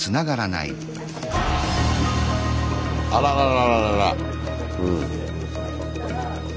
あららららら。